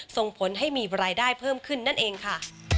ส่งผลให้มีรายได้เพิ่มขึ้นนั่นเองค่ะ